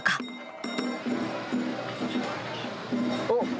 おっ！